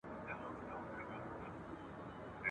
د پیر بابا له برکته بارانونه لیکي ,